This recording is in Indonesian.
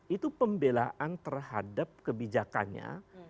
itu pembelaan terhadap kebijakannya